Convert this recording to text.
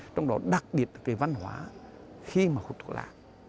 trong đó đặc biệt là kỳ văn hóa khi mà thuốc lá